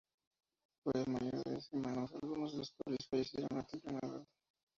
Fue el mayor de diez hermanos, algunos de los cuales fallecieron a temprana edad.